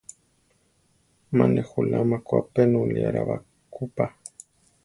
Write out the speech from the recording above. Má ne juláma ku apénulia ra ba kú pa.